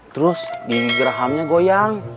terus gigi rahangnya goyang